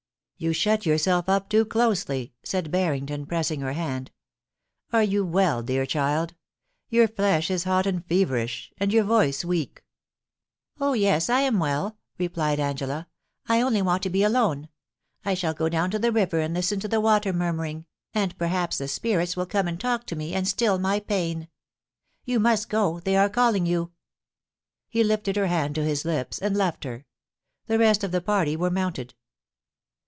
*You shut yourself up too closely,' said Harrington, pressing her hand. * Are you well, dear child ? Your flesh is hot and feverish, and your voice weak.' 174 POUCY ASD PASS:::. .•* Oh jres, I am well,' replied AnseLi :• I ccly ^nr.z to be akme. I shall go down to the mer and listen :o the wa.:er nmrmaring, and perh^» the ^irits will cczie and :alk to me and still my pain. Yoa most go — they are calling you.* He lifted her hand to his lips, and left her. The rest of the party were moonted.